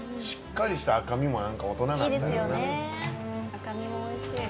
赤身も美味しい。